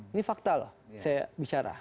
ini fakta loh saya bicara